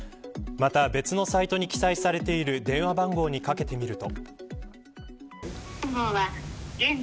また、別のサイトに記載されている電話番号にかけてみると。